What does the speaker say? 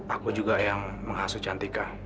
aku juga yang menghasu cantika